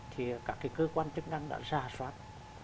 thì các cái cơ quan chức năng đã ra soát